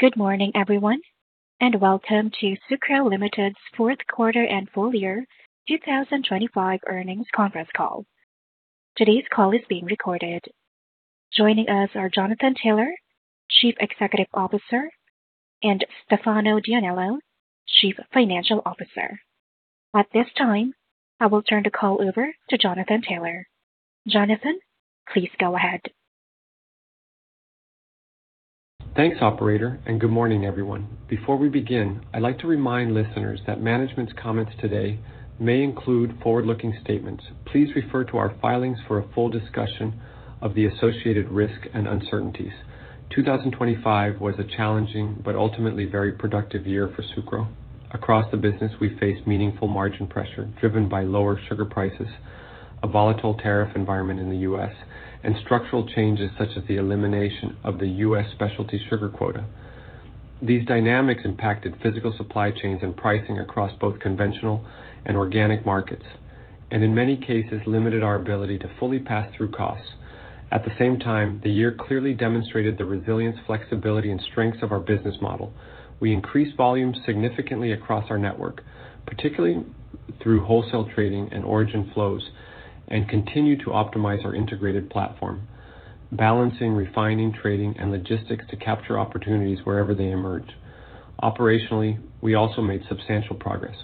Good morning everyone, and welcome to Sucro Limited's fourth quarter and full year 2025 earnings conference call. Today's call is being recorded. Joining us are Jonathan Taylor, Chief Executive Officer, and Stefano D'Aniello, Chief Financial Officer. At this time, I will turn the call over to Jonathan Taylor. Jonathan, please go ahead. Thanks, operator, and good morning, everyone. Before we begin, I'd like to remind listeners that management's comments today may include forward-looking statements. Please refer to our filings for a full discussion of the associated risk and uncertainties. 2025 was a challenging but ultimately very productive year for Sucro. Across the business, we faced meaningful margin pressure driven by lower sugar prices, a volatile tariff environment in the U.S., and structural changes such as the elimination of the U.S. specialty sugar quota. These dynamics impacted physical supply chains and pricing across both conventional and organic markets, and in many cases limited our ability to fully pass through costs. At the same time, the year clearly demonstrated the resilience, flexibility and strengths of our business model. We increased volumes significantly across our network, particularly through wholesale trading and origin flows, and continue to optimize our integrated platform, balancing, refining, trading and logistics to capture opportunities wherever they emerge. Operationally, we also made substantial progress.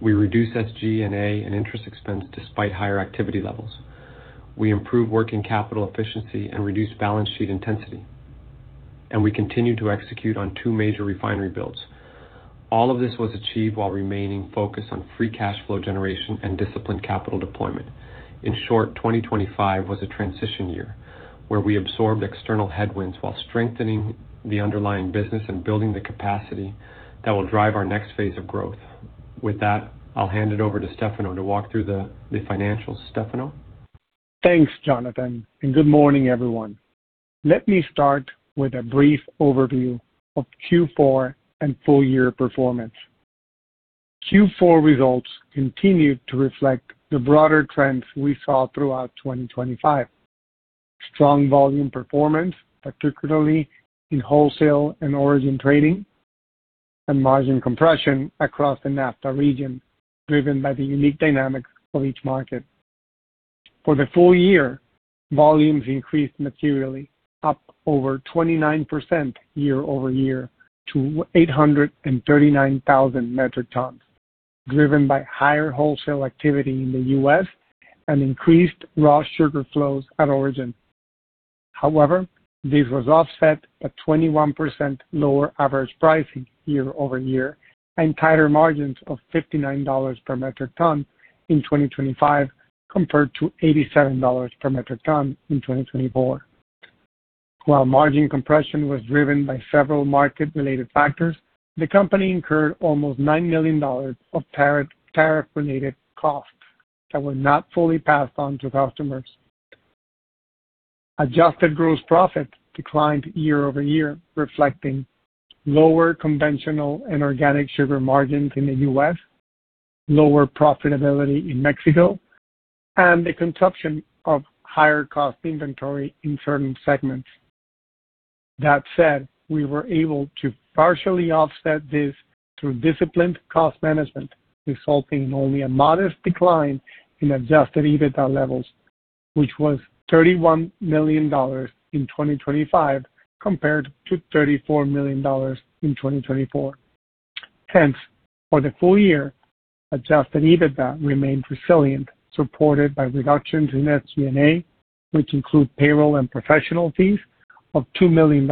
We reduced SG&A and interest expense despite higher activity levels. We improved working capital efficiency and reduced balance sheet intensity. We continued to execute on two major refinery builds. All of this was achieved while remaining focused on free cash flow generation and disciplined capital deployment. In short, 2025 was a transition year, where we absorbed external headwinds while strengthening the underlying business and building the capacity that will drive our next phase of growth. With that, I'll hand it over to Stefano to walk through the financials. Stefano? Thanks, Jonathan, and good morning, everyone. Let me start with a brief overview of Q4 and full year performance. Q4 results continued to reflect the broader trends we saw throughout 2025. Strong volume performance, particularly in wholesale and origin trading, and margin compression across the NAFTA region, driven by the unique dynamics of each market. For the full year, volumes increased materially up over 29% year-over-year to 839,000 metric tons, driven by higher wholesale activity in the U.S., and increased raw sugar flows at origin. However, this was offset by 21% lower average pricing year-over-year and tighter margins of $59 per metric ton in 2025 compared to $87 per metric ton in 2024. While margin compression was driven by several market-related factors, the company incurred almost $9 million of tariff-related costs that were not fully passed on to customers. Adjusted gross profit declined year-over-year, reflecting lower conventional and organic sugar margins in the U.S., lower profitability in Mexico, and the consumption of higher cost inventory in certain segments. That said, we were able to partially offset this through disciplined cost management, resulting in only a modest decline in adjusted EBITDA levels, which was $31 million in 2025 compared to $34 million in 2024. Hence, for the full year, adjusted EBITDA remained resilient, supported by reductions in SG&A, which include payroll and professional fees of $2 million.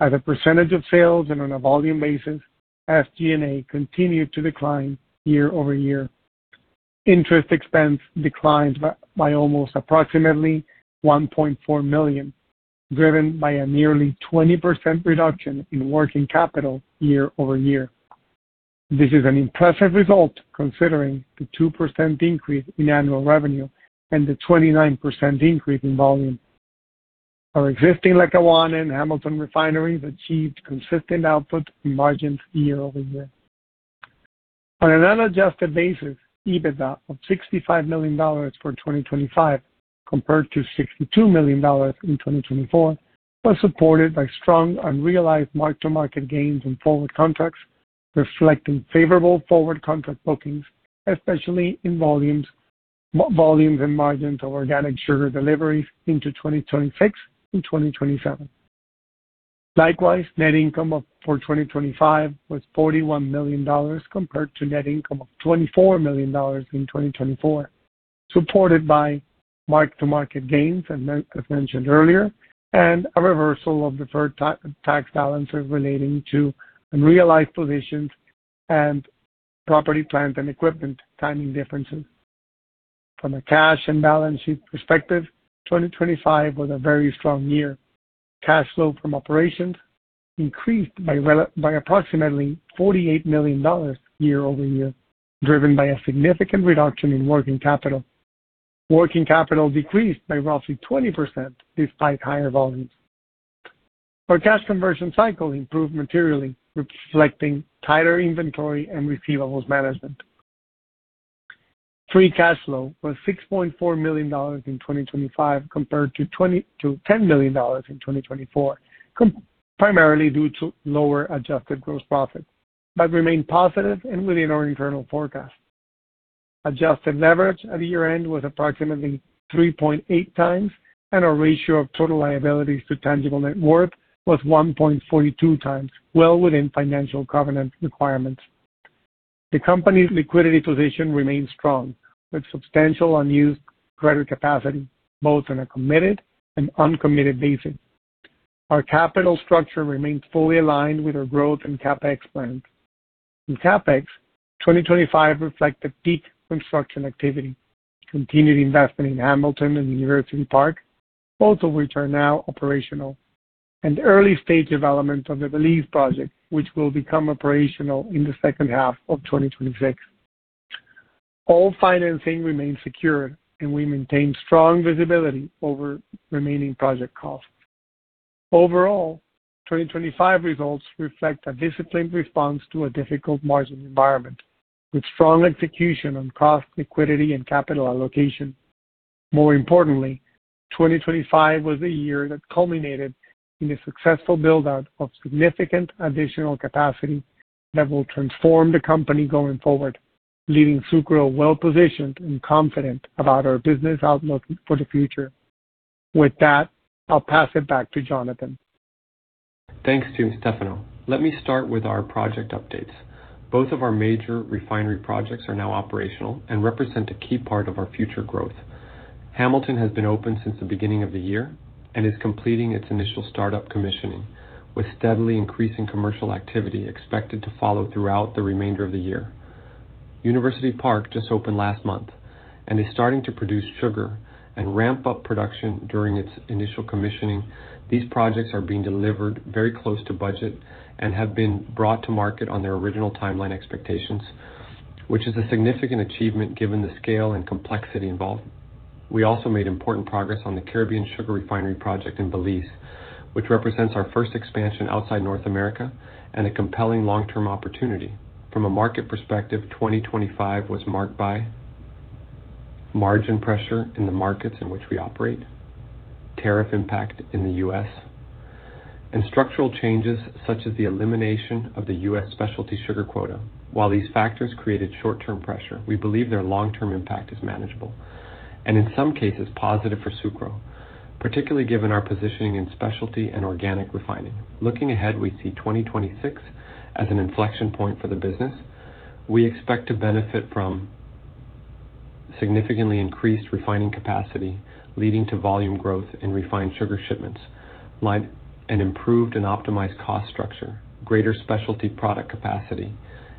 As a percentage of sales and on a volume basis, SG&A continued to decline year-over-year. Interest expense declined by approximately $1.4 million, driven by a nearly 20% reduction in working capital year-over-year. This is an impressive result considering the 2% increase in annual revenue and the 29% increase in volume. Our existing Lackawanna and Hamilton refineries achieved consistent output and margins year-over-year. On an unadjusted basis, EBITDA of $65 million for 2025 compared to $62 million in 2024, was supported by strong unrealized mark-to-market gains in forward contracts, reflecting favorable forward contract bookings, especially in volumes and margins of organic sugar deliveries into 2026 and 2027. Likewise, net income for 2025 was $41 million compared to net income of $24 million in 2024, supported by mark-to-market gains, as mentioned earlier, and a reversal of deferred tax balances relating to unrealized positions and property, plant, and equipment timing differences. From a cash and balance sheet perspective, 2025 was a very strong year. Cash flow from operations increased by approximately $48 million year-over-year, driven by a significant reduction in working capital. Working capital decreased by roughly 20% despite higher volumes. Our cash conversion cycle improved materially, reflecting tighter inventory and receivables management. Free cash flow was $6.4 million in 2025 compared to $10 million in 2024, primarily due to lower adjusted gross profit, but remained positive and within our internal forecast. Adjusted leverage at year-end was approximately 3.8 times, and our ratio of total liabilities to tangible net worth was 1.42 times, well within financial covenant requirements. The company's liquidity position remains strong with substantial unused credit capacity, both on a committed and uncommitted basis. Our capital structure remains fully aligned with our growth and CapEx plans. In CapEx, 2025 reflects the peak construction activity, continued investment in Hamilton and University Park, both of which are now operational, and early-stage development of the Belize project, which will become operational in the second half of 2026. All financing remains secured, and we maintain strong visibility over remaining project costs. Overall, 2025 results reflect a disciplined response to a difficult margin environment with strong execution on cost, liquidity, and capital allocation. More importantly, 2025 was a year that culminated in a successful build-out of significant additional capacity that will transform the company going forward, leaving Sucro well-positioned and confident about our business outlook for the future. With that, I'll pass it back to Jonathan. Thanks, Stefano. Let me start with our project updates. Both of our major refinery projects are now operational and represent a key part of our future growth. Hamilton has been open since the beginning of the year and is completing its initial startup commissioning, with steadily increasing commercial activity expected to follow throughout the remainder of the year. University Park just opened last month and is starting to produce sugar and ramp up production during its initial commissioning. These projects are being delivered very close to budget and have been brought to market on their original timeline expectations, which is a significant achievement given the scale and complexity involved. We also made important progress on the Caribbean Sugar Refinery project in Belize, which represents our first expansion outside North America and a compelling long-term opportunity. From a market perspective, 2025 was marked by margin pressure in the markets in which we operate, tariff impact in the U.S., and structural changes such as the elimination of the U.S. specialty sugar quota. While these factors created short-term pressure, we believe their long-term impact is manageable and, in some cases, positive for Sucro, particularly given our positioning in specialty and organic refining. Looking ahead, we see 2026 as an inflection point for the business. We expect to benefit from significantly increased refining capacity, leading to volume growth in refined sugar shipments, an improved and optimized cost structure, greater specialty product capacity,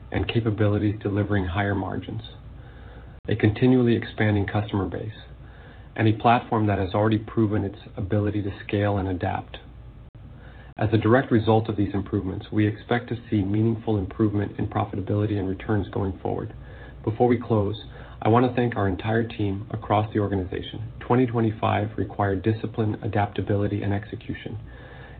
and capabilities delivering higher margins, a continually expanding customer base, and a platform that has already proven its ability to scale and adapt. As a direct result of these improvements, we expect to see meaningful improvement in profitability and returns going forward. Before we close, I want to thank our entire team across the organization. 2025 required discipline, adaptability, and execution,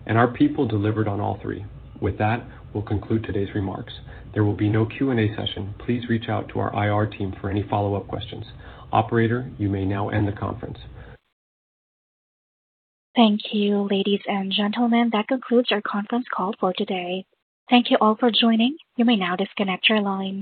and our people delivered on all three. With that, we'll conclude today's remarks. There will be no Q&A session. Please reach out to our IR team for any follow-up questions. Operator, you may now end the conference. Thank you, ladies and gentlemen. That concludes our conference call for today. Thank you all for joining. You may now disconnect your lines.